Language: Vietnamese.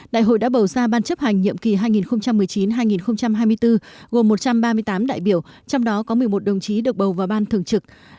đại hội đã bầu ra ban chấp hành nhiệm kỳ hai nghìn một mươi chín hai nghìn hai mươi bốn gồm một trăm ba mươi tám đại biểu trong đó có một mươi một đồng chí được bầu vào ban thường trực